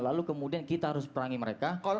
lalu kemudian kita harus perangi mereka